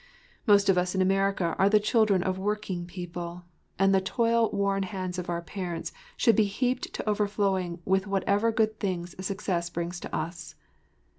Most of us in America are the children of working people, and the toil worn hands of our parents should be heaped to overflowing with whatever good things success brings to us.